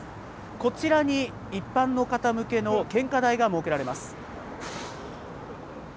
こちらに一般の方向けの献花台が設けられます。